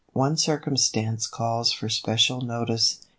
One circumstance calls for special notice.